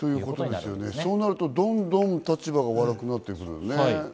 そうなると、どんどん立場が悪くなっていきますね。